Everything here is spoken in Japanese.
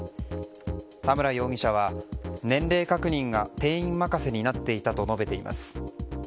田村容疑者は年齢確認が店員任せになっていたと述べています。